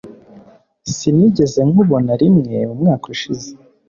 Sinigeze nkubona rimwe umwaka ushize